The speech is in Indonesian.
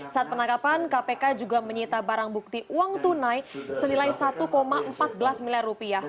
saat penangkapan kpk juga menyita barang bukti uang tunai senilai satu empat belas miliar rupiah